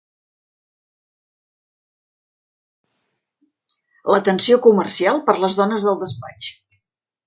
L'atenció comercial, per les dones del despatx